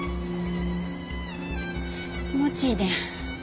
気持ちいいね。